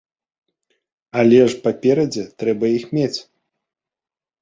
Але ж, паперадзе, трэба іх мець.